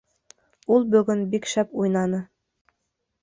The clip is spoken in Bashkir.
Ул бөгөн бик шәп уйнаны